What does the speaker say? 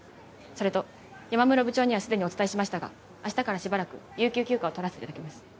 それと山室部長にはすでにお伝えしましたが明日からしばらく有給休暇を取らせて頂きます。